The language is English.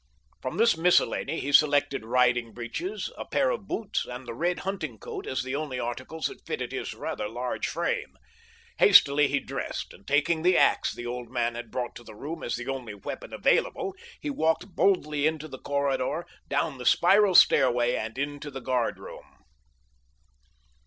From this miscellany he selected riding breeches, a pair of boots, and the red hunting coat as the only articles that fitted his rather large frame. Hastily he dressed, and, taking the ax the old man had brought to the room as the only weapon available, he walked boldly into the corridor, down the spiral stairway and into the guardroom.